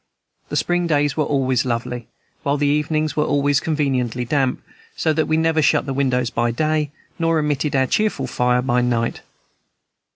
The spring days were always lovely, while the evenings were always conveniently damp; so that we never shut the windows by day, nor omitted our cheerful fire by night.